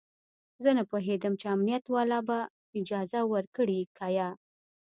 زه نه پوهېدم چې امنيت والا به اجازه ورکړي که يه.